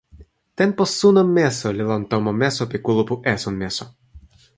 tenpo suno meso li lon tomo meso pi kulupu esun meso.